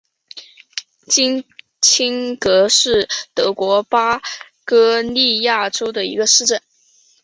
金钦格是德国巴伐利亚州的一个市镇。